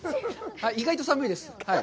意外と寒いです。